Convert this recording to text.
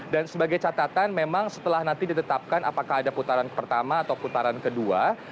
dan sebagai catatan memang setelah nanti ditetapkan apakah ada putaran pertama atau putaran kedua